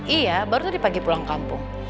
iya baru tadi pagi pulang kampung